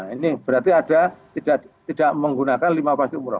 ini berarti ada tidak menggunakan lima pasti umroh